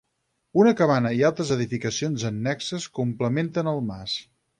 Una cabana i altres edificacions annexes complementen el mas.